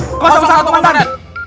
dut komponen kekayanya ngawurnya